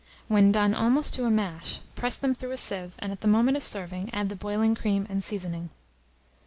When done almost to a mash, press them through a sieve, and at the moment of serving, add the boiling cream and seasoning.